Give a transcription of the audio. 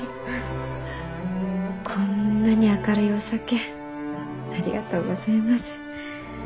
こんなに明るいお酒ありがとうございます。